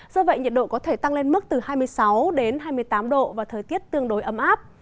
do vậy nhiệt độ có thể tăng lên mức từ hai mươi sáu đến hai mươi tám độ và thời tiết tương đối ấm áp